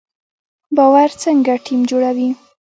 باور څنګه ټیم جوړوي؟